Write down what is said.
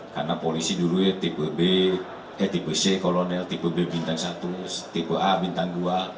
karena polisi dulu ya tipe b eh tipe c kolonel tipe b bintang satu tipe a bintang dua